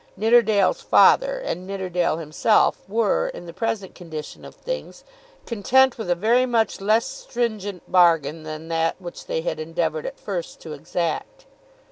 Nidderdale's father, and Nidderdale himself, were, in the present condition of things, content with a very much less stringent bargain than that which they had endeavoured at first to exact.